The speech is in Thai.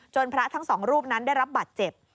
จนพระทั้ง๒รูปนั้นได้รับบัตรเจ็บ